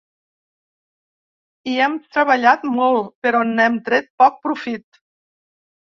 Hi hem treballat molt, però n'hem tret poc profit.